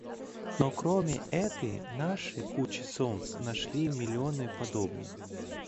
Но кроме этой наши кучи солнц нашли миллионы подобных.